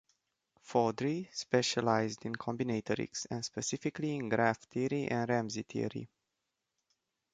Faudree specialized in combinatorics, and specifically in graph theory and Ramsey theory.